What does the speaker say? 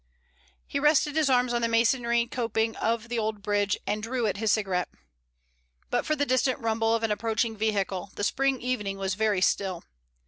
He rested his arms on the masonry coping of the old bridge and drew at his cigarette. But for the distant rumble of an approaching vehicle, the spring evening was very still.